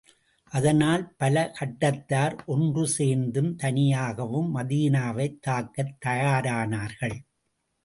அதனால் பல கூட்டத்தார் ஒன்று சேர்ந்தும், தனியாகவும் மதீனாவைத் தாக்கத் தயாரானார்கள்.